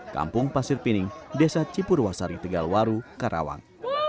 kampung pasir pining desa cipurwasari tegalwaru karawang